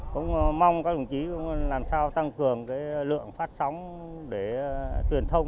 cũng mong các đồng chí cũng làm sao tăng cường lượng phát sóng để truyền thông